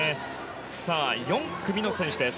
４組の選手です。